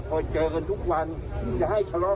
พอเจอกันทุกวันจะให้สละกันได้ไง